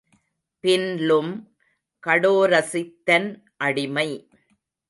பின்லும், கடோரசித்தன் அடிமை!